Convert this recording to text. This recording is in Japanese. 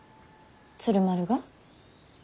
鶴丸が？